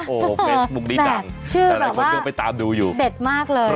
โอ้เฟสบุ๊กนี้ดังชื่อแบบว่าเด็ดมากเลย